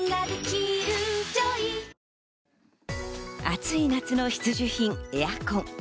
暑い夏の必需品、エアコン。